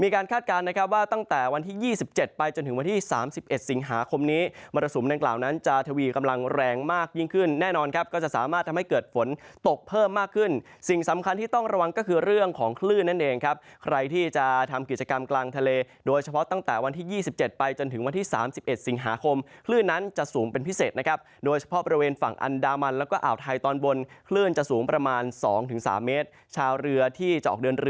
กราธวีกำลังแรงมากยิ่งขึ้นแน่นอนครับก็จะสามารถทำให้เกิดฝนตกเพิ่มมากขึ้นสิ่งสำคัญที่ต้องระวังก็คือเรื่องของคลื่นนั่นเองครับใครที่จะทำกิจกรรมกลางทะเลโดยเฉพาะตั้งแต่วันที่ยี่สิบเจ็ดไปจนถึงวันที่สามสิบเอ็ดสิงหาคมคลื่นนั้นจะสูงเป็นพิเศษนะครับโดยเฉพาะบริเวณ